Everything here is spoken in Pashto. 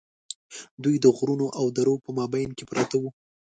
دوی د غرونو او درو په مابین کې پراته وو.